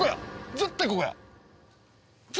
絶対ここや。